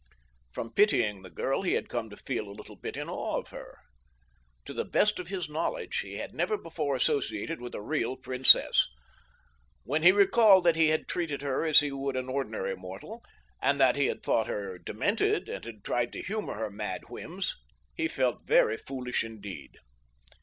From pitying the girl he had come to feel a little bit in awe of her. To the best of his knowledge he had never before associated with a real princess. When he recalled that he had treated her as he would an ordinary mortal, and that he had thought her demented, and had tried to humor her mad whims, he felt very foolish indeed.